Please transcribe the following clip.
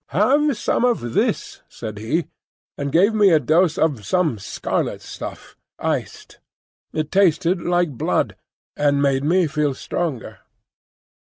"Have some of this," said he, and gave me a dose of some scarlet stuff, iced. It tasted like blood, and made me feel stronger.